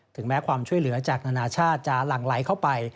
แม้ความช่วยเหลือจากนานาชาติจะหลั่งไหลเข้าไป